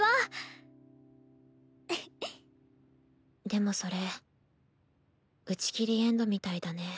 でもそれ打ち切りエンドみたいだね。